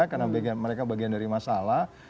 karena mereka bagian dari masalah